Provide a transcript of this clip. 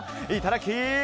いただき！